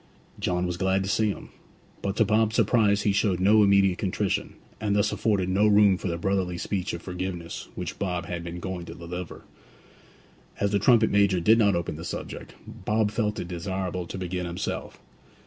John was glad to see him; but to Bob's surprise he showed no immediate contrition, and thus afforded no room for the brotherly speech of forgiveness which Bob had been going to deliver. As the trumpet major did not open the subject, Bob felt it desirable to begin himself.